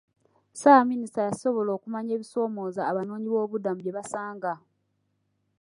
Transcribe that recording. Ssaabaminisita yasobola okumanya ebisoomooza abanoonyiboobubudamu bye basanga.